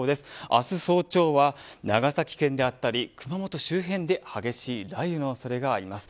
明日早朝は長崎県や熊本県周辺で激しい雷雨の恐れがあります。